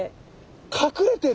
隠れてる？